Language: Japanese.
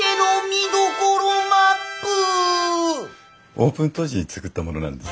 オープン当時に作ったものなんです。